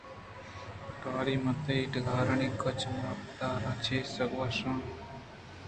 پٹواری! من تئی ڈگارانی کچ ءُماپ ءِ کاراں چہ سک وشاں